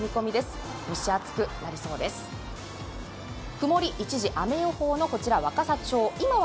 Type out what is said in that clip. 曇り一時雨予報のこちら若桜町。